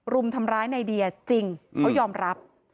รุมทำร้ายในเดียจริงเขายอมรับ